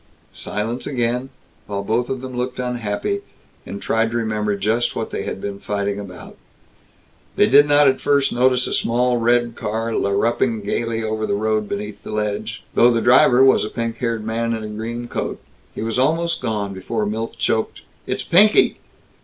Silence again, while both of them looked unhappy, and tried to remember just what they had been fighting about. They did not at first notice a small red car larruping gaily over the road beneath the ledge, though the driver was a pink haired man in a green coat. He was almost gone before Milt choked, "It's Pinky!"